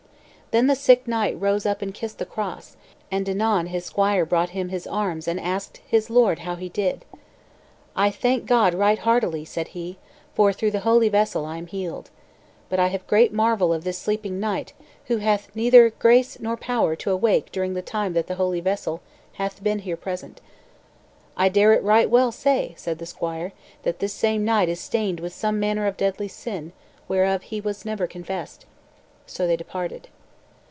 Then the sick knight rose up and kissed the cross; and anon his squire brought him his arms and asked his lord how he did. "I thank God right heartily," said he, "for, through the holy vessel, I am healed. But I have great marvel of this sleeping knight, who hath had neither grace nor power to awake during the time that the holy vessel hath been here present." "I dare it right well say," said the squire, "that this same knight is stained with some manner of deadly sin, whereof he was never confessed." So they departed.